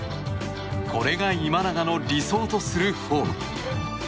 これが今永の理想とするフォーム。